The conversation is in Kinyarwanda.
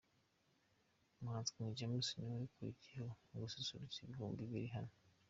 Umuhanzi King James niwe ukurikiyeho mu gususurutsa ibihumbi biri hano.